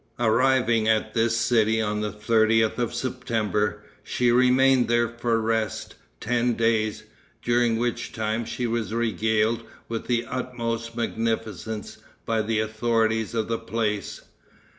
Arriving at this city on the 30th of September, she remained there for rest, ten days, during which time she was regaled with the utmost magnificence by the authorities of the place.